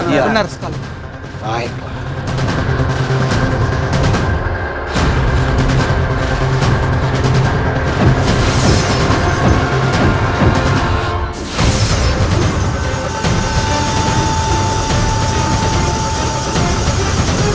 iya iya benar sekali